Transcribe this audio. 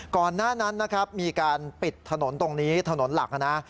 ก่อนหน้านั้นนะครับมีการปิดถนนตรงนี้ถนนหลักนะ